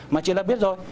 mà chị là biết rồi